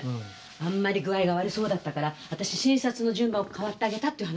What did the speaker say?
あんまり具合が悪そうだったから私診察の順番を代わってあげたっていう話。